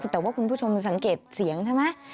แต่ว่าคุณผู้ชมสังเกตเสียงใช่ไหม